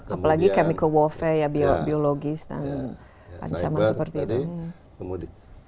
apalagi chemical warfare biologis dan ancaman seperti itu